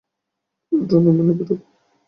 স্বরের ওঠানামা নেই, রোবট-গন্ধী প্রশ্ন।